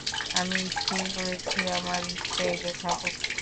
আমি স্থির করেছি আমরা স্টাইলে খাবো।